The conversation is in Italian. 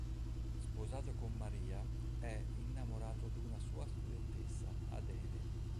Sposato con Maria, è innamorato d’una sua studentessa, Adele.